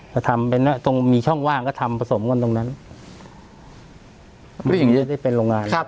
ก็ทำเป็นตรงมีช่องว่างก็ทำผสมกันตรงนั้นผู้หญิงจะได้เป็นโรงงานครับ